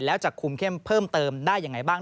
แล้วจะคุมเข้มเพิ่มเติมได้ยังไงบ้าง